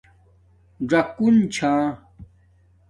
ژَکُن چھا